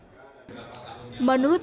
pansus angket kpk berkata